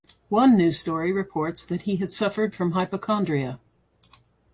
One news story reports that he had suffered from hypochondria.